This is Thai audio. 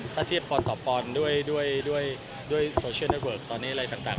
ถ้าเทียบปอนต่อปอนด์ด้วยโซเชียลในเวิร์กตอนนี้อะไรต่าง